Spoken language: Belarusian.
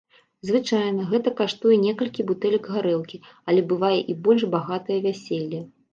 Звычайна, гэта каштуе некалькі бутэлек гарэлкі, але бывае і больш багатае вяселле.